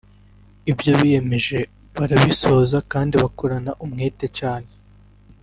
ibyo biyemeje barabisoza kandi bakorana umwete cyane